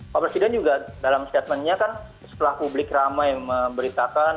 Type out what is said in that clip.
pak presiden juga dalam statementnya kan setelah publik ramai memberitakan